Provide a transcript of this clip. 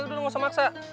udah gak usah maksa